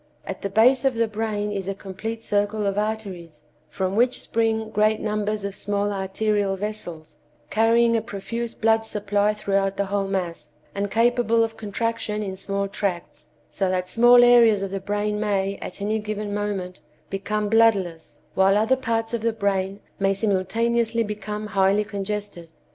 At the base of the brain is a complete circle of arteries, from which spring great numbers of small arterial vessels, carrying a profuse blood supply throughout the whole mass, and capable of contraction in small tracts, so that small areas of the brain may, at any given moment, become bloodless, while other parts of the brain may simultaneously become highly congested.